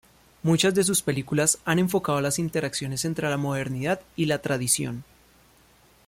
Muchas de sus películas han enfocado las interacciones entre la modernidad y la tradición.